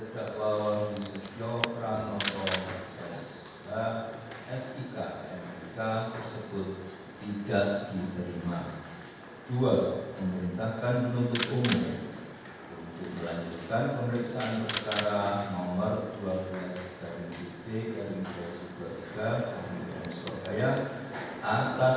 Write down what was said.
kepala paku setio pranoto sdak sdika mdika tersebut di atas